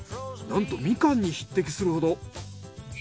なんとみかんに匹敵するほど。